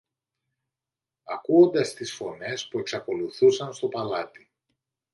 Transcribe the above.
ακούοντας τις φωνές που εξακολουθούσαν στο παλάτι.